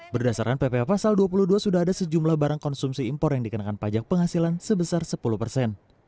berdasarkan pph pasal dua puluh dua sudah ada sejumlah barang konsumsi impor yang dikenakan pajak penghasilan sebesar sepuluh persen